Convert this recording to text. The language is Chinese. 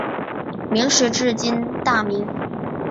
明时治今大名。